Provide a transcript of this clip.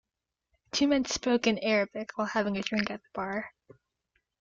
Two men spoke in Arabic while having a drink at the bar.